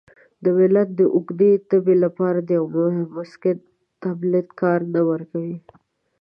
د ملت د اوږدې تبې لپاره د یوه مسکن تابلیت کار نه ورکوي.